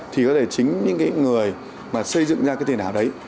thì có thể chính những cái người mà xây dựng ra cái tiền ảo đấy